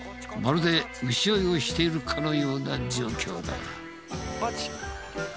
まるで牛追いをしているかのような状況だ。